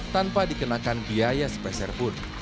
tanpa dikenakan biaya spesial pun